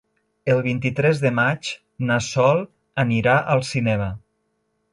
El vint-i-tres de maig na Sol anirà al cinema.